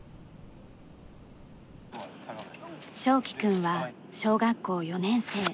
翔生くんは小学校４年生。